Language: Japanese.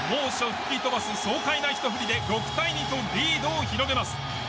吹き飛ばす爽快なひと振りで６対２とリードを広げます。